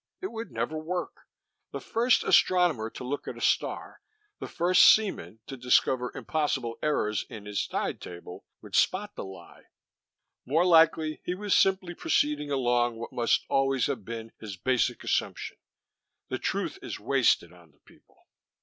It would never work the first astronomer to look at a star, the first seaman to discover impossible errors in his tide table, would spot the lie. More likely he was simply proceeding along what must always have been his basic assumption: The truth is wasted on the people.